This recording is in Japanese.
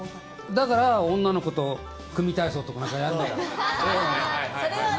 だから女の子と組み体操とか何かやんのよ。